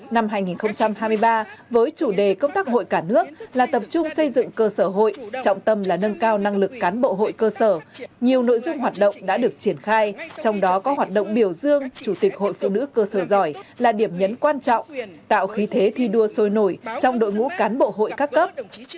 năm hai nghìn hai mươi ba với chủ đề công tác hội cả nước là tập trung xây dựng cơ sở hội trọng tâm là nâng cao năng lực cán bộ hội cơ sở nhiều nội dung hoạt động đã được triển khai trong đó có hoạt động biểu dương chủ tịch hội phụ nữ cơ sở giỏi là điểm nhấn quan trọng tạo khí thế thi đua sôi nổi trong đội ngũ cán bộ hội các cấp